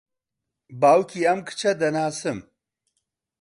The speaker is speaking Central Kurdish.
باوکی ئەم کچە دەناسم.